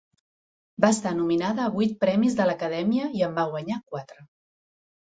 Va estar nominada a vuit Premis de l'Acadèmia i en va guanyar quatre.